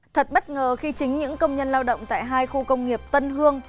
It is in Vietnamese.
thật bất ngờ khi chính những công nhân lao động tại hai khu công nghiệp tân hương